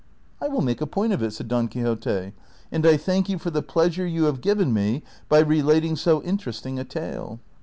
" I will make a point of it," said Don Quixote, " and I thank you for the pleasure you have given me by relating so interest ing a tale."